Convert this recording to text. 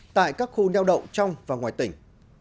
tại các khu neo động trong và ngoài tỉnh